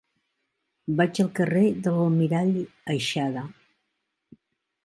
Vaig al carrer de l'Almirall Aixada.